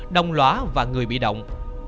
đông lóa và người bị động